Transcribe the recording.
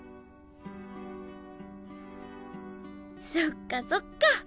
そっかそっか。